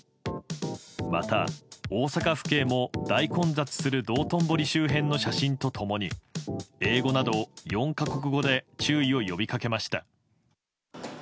また、大阪府警も大混雑する道頓堀周辺の写真と共に英語など４か国語で注意を呼びかけました。